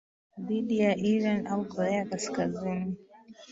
dhidi ya Iran au Korea Kaskazini